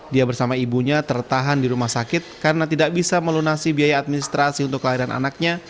dia bersama ibunya tertahan di rumah sakit karena tidak bisa melunasi biaya administrasi untuk kelahiran anaknya